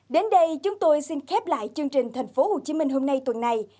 đến đây chúng tôi xin khép lại chương trình thành phố hồ chí minh hôm nay tuần này